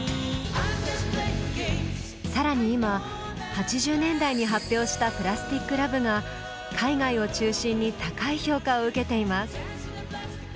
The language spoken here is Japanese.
更に今８０年代に発表した「プラスティック・ラヴ」が海外を中心に高い評価を受けています。